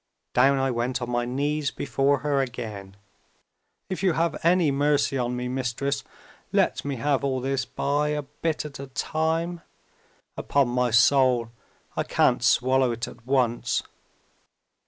Down I went on my knees before her again! 'If you have any mercy on me, Mistress, let me have all this by a bit at a time. Upon my soul, I can't swallow it at once!'